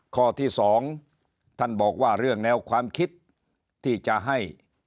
ข้อที่สองท่านบอกว่าเรื่องแนวความคิดที่จะให้